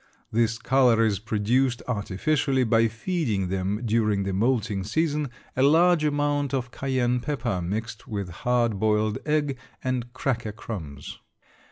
This color is produced artificially by feeding them during the moulting season a large amount of cayenne pepper mixed with hard boiled egg and cracker crumbs.